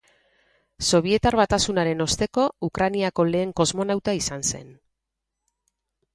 Sobietar Batasunaren osteko Ukrainako lehen kosmonauta izan zen.